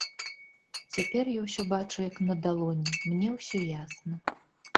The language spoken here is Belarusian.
Цяпер я ўсё бачу як на далоні, мне ўсё ясна.